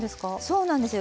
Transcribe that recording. そうなんですよ。